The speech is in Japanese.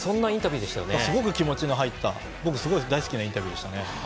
すごく気持ちが入った僕すごい大好きなインタビューでしたね。